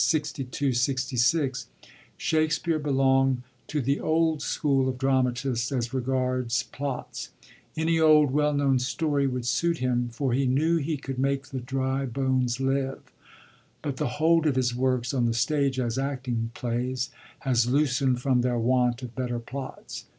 62, 66, Shakspere belongd to the old school of dramatists as regards plots; any old well known story would suit him, for he knew he could make the dry bones live; but the hold of his works on the stage as acting plays has loosend from their want of better plots.